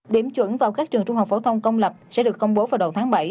điểm chuẩn vào các trường trung học phổ thông công lập sẽ được công bố vào đầu tháng bảy